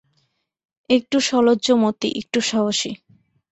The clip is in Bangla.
একটু সলজ্জ মতি, একটু সাহসী।